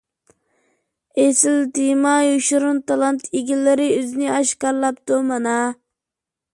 ئېسىل تېما! يوشۇرۇن تالانت ئىگىلىرى ئۆزىنى ئاشكارىلاپتۇ مانا.